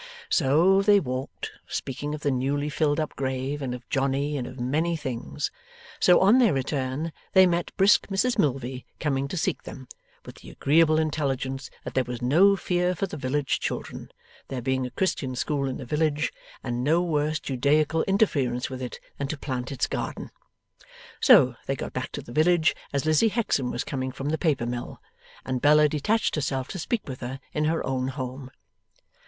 So, they walked, speaking of the newly filled up grave, and of Johnny, and of many things. So, on their return, they met brisk Mrs Milvey coming to seek them, with the agreeable intelligence that there was no fear for the village children, there being a Christian school in the village, and no worse Judaical interference with it than to plant its garden. So, they got back to the village as Lizzie Hexam was coming from the paper mill, and Bella detached herself to speak with her in her own home.